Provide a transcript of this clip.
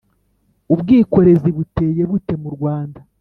ubwikorezi buteye bute mu rwanda’